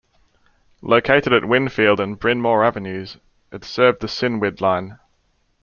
Located at Wynnefield and Bryn Mawr Avenues, it serves the Cynwyd Line.